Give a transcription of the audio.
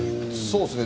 そうですね。